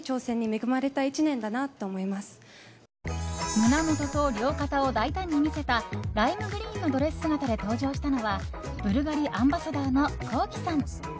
胸元と両肩を大胆に見せたライムグリーンのドレス姿で登場したのはブルガリアンバサダーのＫｏｋｉ，さん。